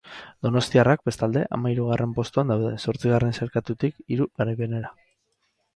Donostiarrak, bestalde, hamahirugaren postuan daude, zortzigarren sailkatutik hiru garaipenera.